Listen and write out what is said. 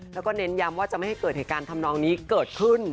แล้วก็เน้นย้ำว่าจะไม่ให้เกิดเหตุการณ์ทำนองนี้เกิดขึ้น